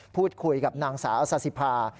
พูดคุยกับนางสาวซาสิภา